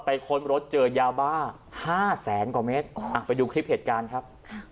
ค้นรถเจอยาบ้า๕แสนกว่าเมตรไปดูคลิปเหตุการณ์ครับ